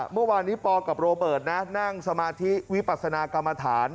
เมื่อวานนี้ปกับโรเบิร์ตนะนั่งสมาธิวิปัสนากรรมฐาน